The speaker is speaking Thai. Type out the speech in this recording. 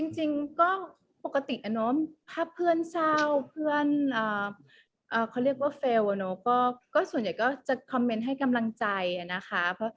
จริงก็ปกติอะเนาะถ้าเพื่อนเศร้าเพื่อนเขาเรียกว่าเฟลล์ก็ส่วนใหญ่ก็จะคอมเมนต์ให้กำลังใจนะคะ